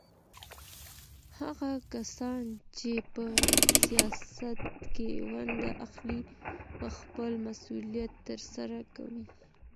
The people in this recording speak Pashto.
هغه کسان چي په سياست کي ونډه اخلي خپل مسؤليت ترسره کوي.